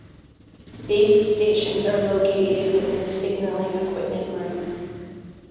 Base stations are located within the signalling equipment room.